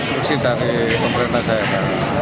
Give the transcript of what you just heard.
itu isi dari pemerintah daerah